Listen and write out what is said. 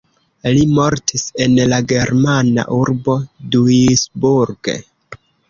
Li mortis en la germana urbo Duisburg.